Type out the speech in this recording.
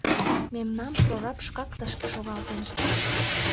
Мемнам прораб шкак тышке шогалтен.